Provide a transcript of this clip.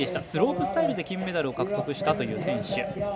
スロープスタイルで金メダルを獲得したという選手。